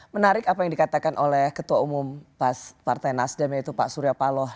menarik apa yang dikatakan oleh ketua umum partai nasdem yaitu pak surya paloh